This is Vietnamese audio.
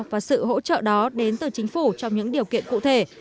và sự hỗ trợ đó đến từ chính phủ trong những điều kiện cụ thể